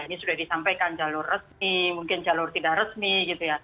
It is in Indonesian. ini sudah disampaikan jalur resmi mungkin jalur tidak resmi gitu ya